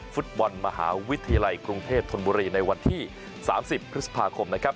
ฟุตบอลมหาวิทยาลัยกรุงเทพธนบุรีในวันที่๓๐พฤษภาคมนะครับ